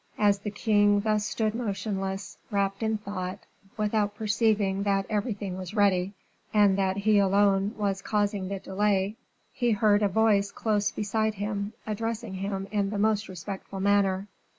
As the king thus stood motionless, wrapt in thought, without perceiving that everything was ready, and that he alone was causing the delay, he heard a voice close beside him, addressing him in the most respectful manner.